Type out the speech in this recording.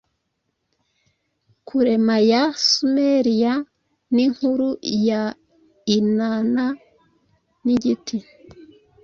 kurema ya Sumeriya ninkuru ya Inanna nigiti